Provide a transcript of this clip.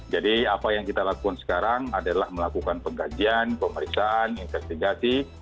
jadi apa yang kita lakukan sekarang adalah melakukan pengajian pemeriksaan investigasi